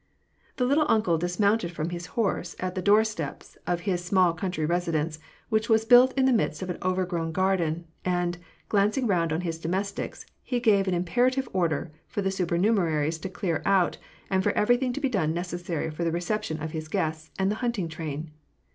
The "little uncle " dismounted from his horse at the door steps of his small country residence, which was built in the midst of an overgrown garden ; and, glancing round on his domestics, he gave an imperative order for the supernumeraries to clear out, and for everything to be done necessary for the reception of his guests and the hunting train.